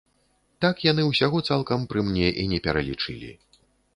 Так яны ўсяго цалкам пры мне і не пералічылі.